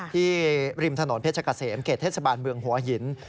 ริมถนนเพชรเกษมเขตเทศบาลเมืองหัวหิน